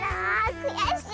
くやしい！